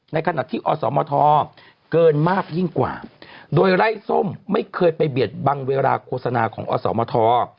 ในขณะที่อสมทเกินมากยิ่งกว่าโดยไล่ส้มไม่เคยไปเบียดบังเวลาโฆษณาของอสมท